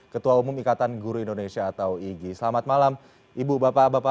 ketua umum ikatan guru indonesia atau igi selamat malam ibu bapak bapak